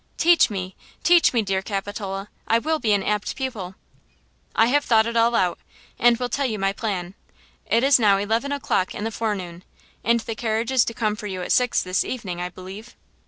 "Teach me! teach me, dear Capitola. I will be an apt pupil!" "I have thought it all out, and will tell you my plan. It is now eleven o'clock in the forenoon, and the carriage is to come for you at six this evening, I believe?"